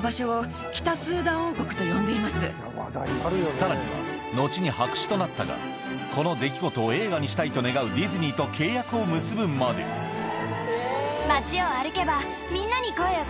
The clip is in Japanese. さらには後に白紙となったがこの出来事を映画にしたいと願うディズニーと契約を結ぶまでに夫は夫で。